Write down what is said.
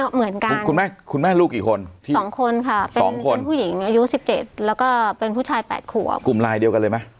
เหมือนอยู่ในกลุ่มเดียวกันเลย